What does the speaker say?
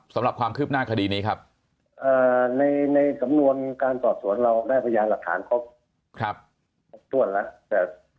สำหรับความขึบหน้าคดีนี้ครับในสำนวนการตรอบสวนเราได้พยายามหรือผลักฐานพี่ฝ่นแล้ว